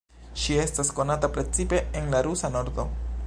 Ŝi estas konata precipe en la Rusa Nordo.